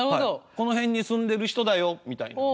「この辺に住んでる人だよ」みたいなね。